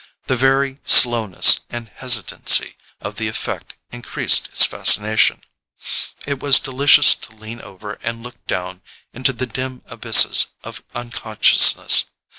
The very slowness and hesitancy of the effect increased its fascination: it was delicious to lean over and look down into the dim abysses of unconsciousness.